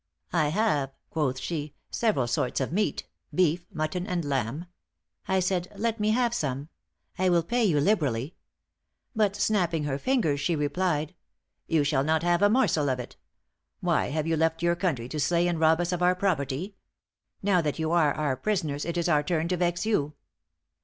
'I have,' quoth she, 'several sorts of meat; beef, mutton and lamb.' I said, 'let me have some; I will pay you liberally.' But snapping her fingers, she replied; 'You shall not have a morsel of it; why have you left your country to slay and rob us of our property? Now that you are our prisoners, it is our turn to vex you.'